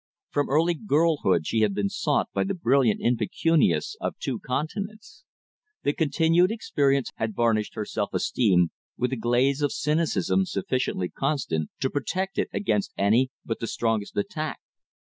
From early girlhood she had been sought by the brilliant impecunious of two continents. The continued experience had varnished her self esteem with a glaze of cynicism sufficiently consistent to protect it against any but the strongest attack.